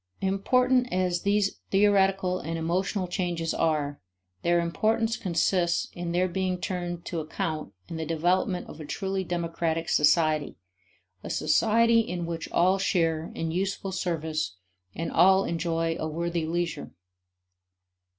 Important as these theoretical and emotional changes are, their importance consists in their being turned to account in the development of a truly democratic society, a society in which all share in useful service and all enjoy a worthy leisure.